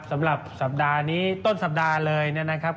สำหรับสัปดาห์นี้ต้นสัปดาห์เลยนะครับ